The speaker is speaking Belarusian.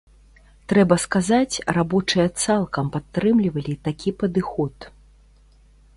Трэба сказаць, рабочыя цалкам падтрымлівалі такі падыход.